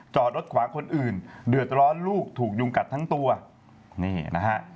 จอดรถขวางคนอื่นเดือดร้อนลูกถูกยุงกัดทั้งตัวนี่นะฮะ